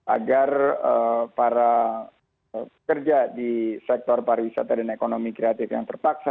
agar para pekerja di sektor pariwisata dan ekonomi kreatif yang terpaksa